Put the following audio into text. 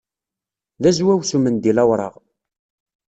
D azwaw s umendil awṛaɣ.